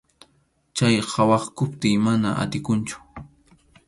Chay qhawaykuptiy mana atikunchu.